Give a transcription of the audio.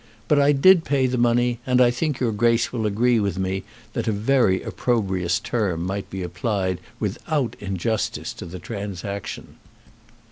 But I did pay the money, and I think your Grace will agree with me that a very opprobrious term might be applied without injustice to the transaction.